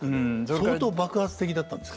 相当爆発的だったんですか。